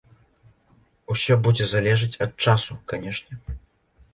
Усё будзе залежыць ад часу, канешне.